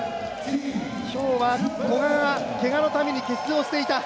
今日は古賀がけがのために欠場していた。